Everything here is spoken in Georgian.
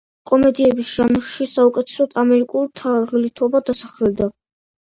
კომედიების ჟანრში საუკეთესოდ „ამერიკული თაღლითობა“ დასახელდა.